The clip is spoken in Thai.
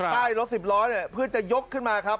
ใต้รถ๑๐ล้อเพื่อจะยกขึ้นมาครับ